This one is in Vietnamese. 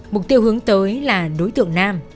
mục tiêu hướng tới là đối tượng nam